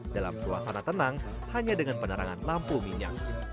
dalam suasana tenang hanya dengan penerangan lampu minyak